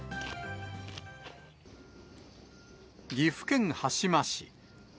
岐阜県羽島市。